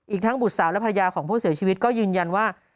ทั้งบุตรสาวและภรรยาของผู้เสียชีวิตก็ยืนยันว่า